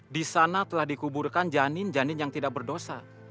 di sana telah dikuburkan janin janin yang tidak berdosa